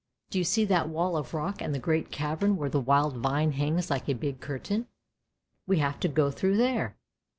Do you see that wall of rock and the great cavern where the wild vine hangs like a big curtain? We have to go through there!